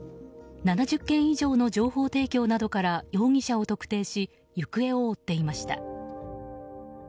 ７０件以上の情報提供などから容疑者を特定し行方を追っていました。